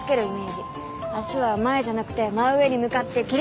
足は前じゃなくて真上に向かって蹴り上げる。